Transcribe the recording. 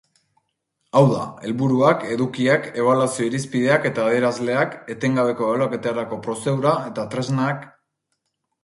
Hau da, helburuak, edukiak, ebaluazio-irizpideak eta adierazleak, etengabeko ebaluaketarako prozedura eta tresnak...